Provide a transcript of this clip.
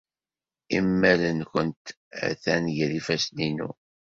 Imal-nwent atan gar yifassen-inu.